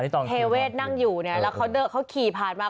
เทเวศนั่งอยู่เนี่ยแล้วเขาขี่ผ่านมา